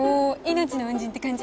命の恩人って感じ？